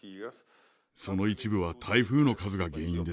その一部は台風の数が原因です。